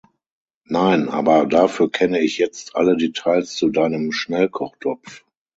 Nein, aber dafür kenne ich jetzt alle Details zu deinem Schnellkochtopf.